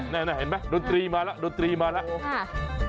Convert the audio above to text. นี่เห็นไหมโดตรีมาแล้ว